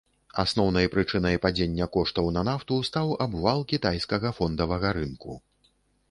Асноўнай прычынай падзення коштаў на нафту стаў абвал кітайскага фондавага рынку.